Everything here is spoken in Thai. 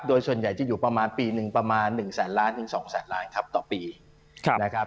โดยส่วนใหญ่จะอยู่ประมาณปีหนึ่งประมาณ๑แสนล้านถึง๒แสนลายครับต่อปีนะครับ